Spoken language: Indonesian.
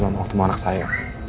kamu masih mau ketemu anak saya